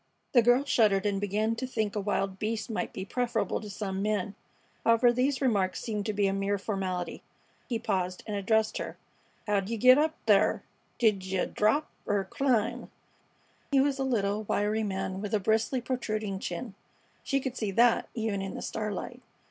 The girl shuddered and began to think a wild beast might be preferable to some men. However, these remarks seemed to be a mere formality. He paused and addressed her: "Heow'd yeh git up thar? D'j'yeh drap er climb?" He was a little, wiry man with a bristly, protruding chin. She could see that, even in the starlight.